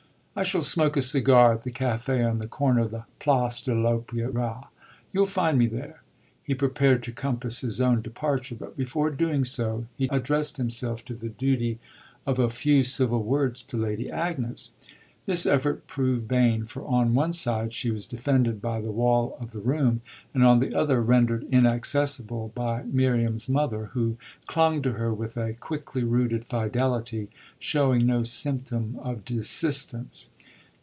"I shall smoke a cigar at the café on the corner of the Place de l'Opéra you'll find me there." He prepared to compass his own departure, but before doing so he addressed himself to the duty of a few civil words to Lady Agnes. This effort proved vain, for on one side she was defended by the wall of the room and on the other rendered inaccessible by Miriam's mother, who clung to her with a quickly rooted fidelity, showing no symptom of desistance.